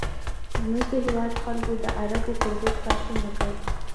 زموږ د هېواد خلکو د عربو پر ضد پاڅون وکړ.